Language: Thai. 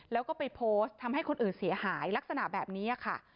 แล้วก็ไปโพสต์ทำให้คนอื่นเสียหายลักษณะแบบนี้ค่ะ